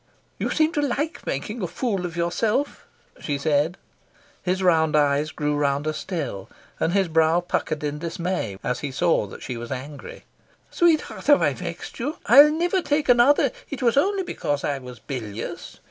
"You seem to like making a fool of yourself," she said. His round eyes grew rounder still, and his brow puckered in dismay as he saw that she was angry. "Sweetheart, have I vexed you? I'll never take another. It was only because I was bilious.